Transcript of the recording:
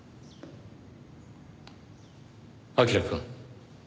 彬くん。